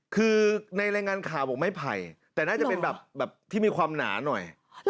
คือในรายงานข่าวบอกไม่ไผ่แต่น่าจะเป็นแบบที่มีความหนาหน่อย